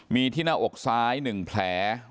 มีที่หน้าอกซ้าย๑แผล